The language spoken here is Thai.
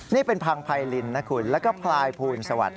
นี่เป็นพังไพรินนะคุณแล้วก็พลายภูลสวัสดิ